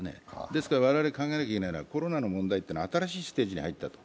ですから我々考えなきゃいけないのは、コロナの問題というのは新しいステージに入った。